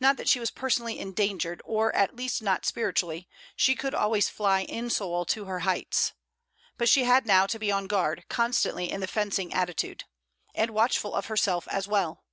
Not that she was personally endangered, or at least not spiritually; she could always fly in soul to her heights. But she had now to be on guard, constantly in the fencing attitude. And watchful of herself as well.